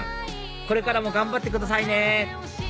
これからも頑張ってくださいね！